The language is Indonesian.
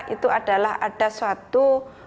itu adalah ada suatu